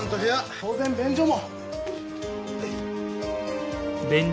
当然便所も。